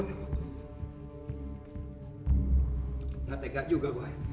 nanti gak juga gue